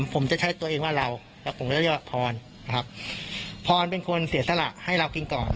แต่ผมจะใช้ตัวเองและจะลองเรียกว่าเหมื่อนอน